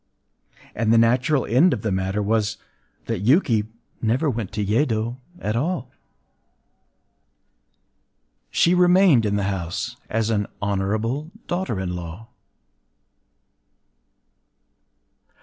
And the natural end of the matter was that Yuki never went to Yedo at all. She remained in the house, as an “honorable daughter in law.